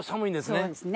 そうですね。